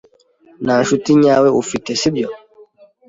Nta nshuti nyawe ufite, si byo?